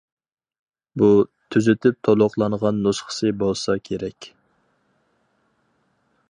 بۇ تۈزىتىپ تولۇقلانغان نۇسخىسى بولسا كېرەك.